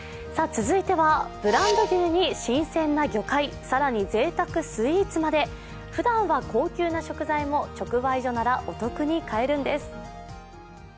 続いてはブランド牛に新鮮な魚貝、更にぜいたくスイーツまでふだんは高級な食材も直売所ならお得に買えるんです。